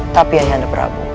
tapi ayahanda prabu